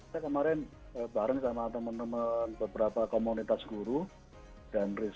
saya kemarin bareng sama teman teman beberapa komunitas guru dan risma